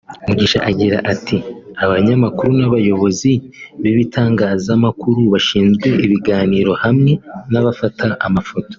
Mugisha agira ati “Abanyamakuru n’abayobozi bibitangazamakuru bashinzwe ibiganiro hamwe n’abafata amafoto